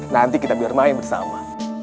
nanti kita bermain bersama